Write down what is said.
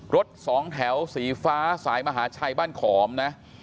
รถสองแถวสีฟ้าสายมหาชัยบ้านขอมนะ